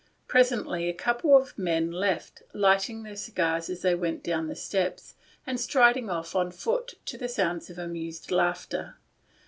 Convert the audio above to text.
Presently a couple of men left, lighting their cigars as they went down the steps, and striding off on foot to the sounds of amused laughter.